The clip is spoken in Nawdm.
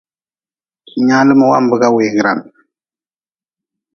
Nyaalm wambga weegran.